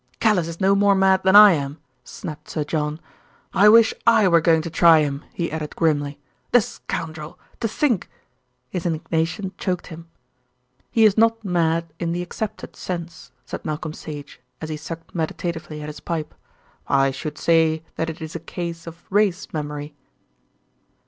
"Callice is no more mad than I am," snapped Sir John. "I wish I were going to try him," he added grimly. "The scoundrel! To think " His indignation choked him. "He is not mad in the accepted sense," said Malcolm Sage as he sucked meditatively at his pipe. "I should say that it is a case of race memory."